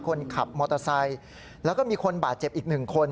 คนขับมอเตอร์ไซค์แล้วก็มีคนบาดเจ็บอีกหนึ่งคน